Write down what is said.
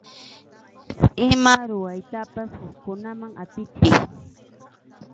Ima ruraytapas hukkunaman atichiy.